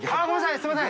すみません。